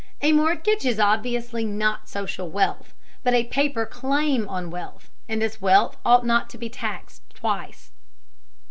A mortgage is obviously not social wealth, but a paper claim on wealth, and this wealth ought not to be taxed twice.